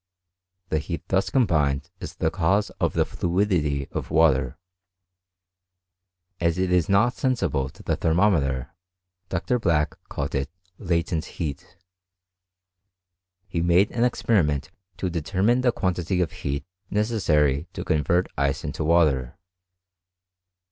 The heat thus combined is the cause Of the fluidity of the water. As it is not sensible to tlie thermometer, Dr. Black called it latent heat. . He ■Qiade an experiment to determine the quantity of heat Jiecessary.to convert ice into water.